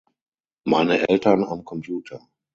Meine Eltern am Computer.